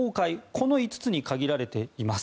この５つに限られています。